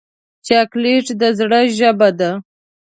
چاکلېټ د زړه ژبه ده.